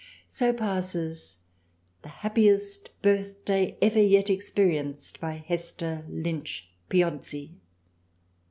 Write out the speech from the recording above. So passes the happiest Birthday ever yet ex perienced by Hester Lynch Piozzi."